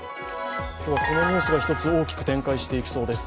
今日は、このニュースが１つ大きく展開していきそうです。